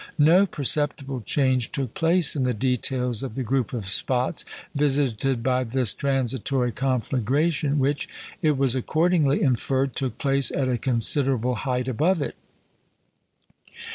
No perceptible change took place in the details of the group of spots visited by this transitory conflagration, which, it was accordingly inferred, took place at a considerable height above it.